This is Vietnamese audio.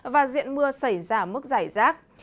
và diện mưa xảy ra mức giải rác